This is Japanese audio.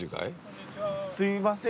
すいません